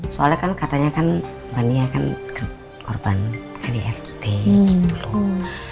soalnya kan katanya kan mbak nia kan korban kbrt gitu loh